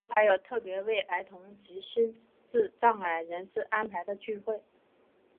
另外每周还有特别为儿童及心智障碍人士安排的聚会。